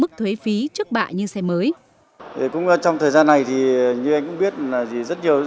mức thuế phí trước bạ như xe mới